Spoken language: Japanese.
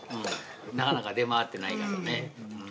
なかなか出回ってないからね。